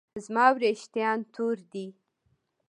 زما ویښتان تور دي